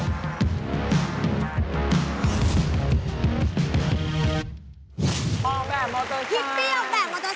ออกแบบมอเตอร์ไซค์พี่ตี้ออกแบบมอเตอร์ไซค์